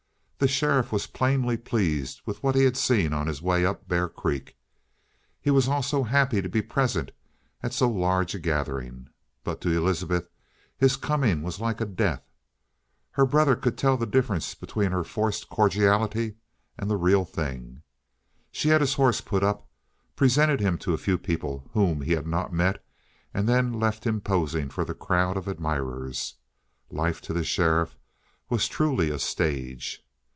The sheriff was plainly pleased with what he had seen on his way up Bear Creek. He was also happy to be present at so large a gathering. But to Elizabeth his coming was like a death. Her brother could tell the difference between her forced cordiality and the real thing. She had his horse put up; presented him to the few people whom he had not met, and then left him posing for the crowd of admirers. Life to the sheriff was truly a stage.